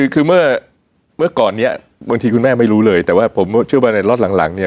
คือเมื่อก่อนเนี้ยบางทีคุณแม่ไม่รู้เลยแต่ว่าผมเชื่อว่าในล็อตหลังเนี่ย